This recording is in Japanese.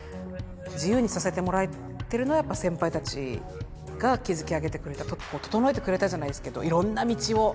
自由にさせてもらえてるのは先輩たちが築き上げてくれた整えてくれたじゃないですけどいろんな道を。